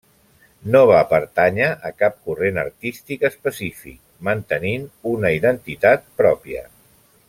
No va pertànyer a cap corrent artístic específic, mantenint una identitat pròpia.